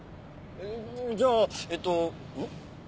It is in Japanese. じゃあえっとん？